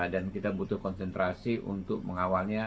dan kita butuh konsentrasi untuk mengawalnya